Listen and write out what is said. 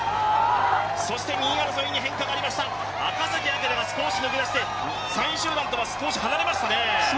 そして２位争いに変化がありました赤崎暁が少し抜け出して、３位集団とは少し離れましたね。